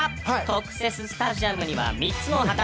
特設スタジアムには３つの旗。